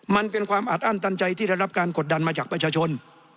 มันเป็นความอัดอั้นตันใจที่ได้รับการกดดันมาจากประชาชน